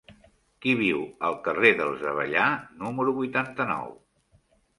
Qui viu al carrer dels Avellà número vuitanta-nou?